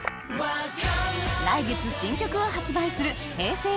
来月新曲を発売するＨｅｙ！